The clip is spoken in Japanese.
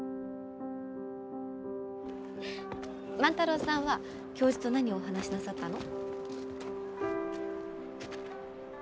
万太郎さんは教授と何をお話しなさったの？